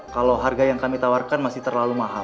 kalau harga yang kami tawarkan masih terlalu mahal